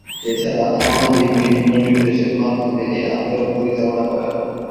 এছাড়া আওয়ামী লীগ বিভিন্ন নির্দেশের মাধ্যমে এ আন্দোলন পরিচালনা করে।